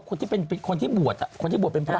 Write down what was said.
เขาบอกว่าคนที่บวชเป็นพระ